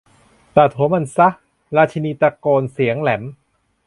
ตัดหัวมันซะ ! ราชินีตะโกนเสียงแหลม